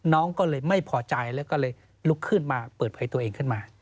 น้องก็เลยไม่พอใจแล้วก็เลยลุกขึ้นมาเปิดเผยตัวเองขึ้นมา